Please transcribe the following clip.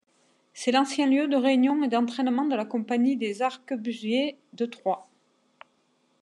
C'est l'ancien lieu de réunion et d'entrainement de la compagnie des arquebusiers de Troyes.